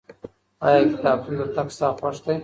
ايا کتابتون ته تګ ستا خوښ دی؟